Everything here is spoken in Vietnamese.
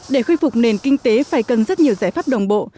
để khôi phục nền kinh tế phải cần rất nhiều giải pháp đồng bộ